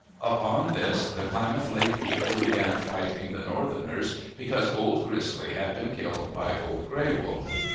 Upon this, the Klamath Lake people began fight ing the Northerners because Old Grizzly had been killed by Old Gray Wolf.